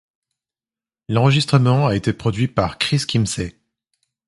L'enregistrement a été produit par Chris Kimsey.